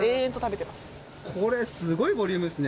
これすごいボリュームですね。